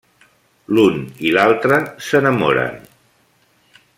L'un i l'altre s'enamoren.